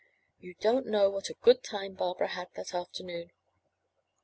You don*t know what a good time Barbara had that afternoon.